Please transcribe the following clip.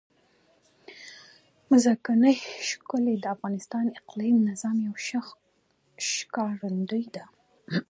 ځمکنی شکل د افغانستان د اقلیمي نظام یوه ښه ښکارندوی ده.